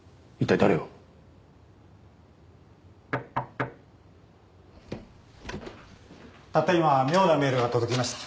たった今妙なメールが届きました。